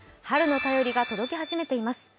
春の便りが届き始めています。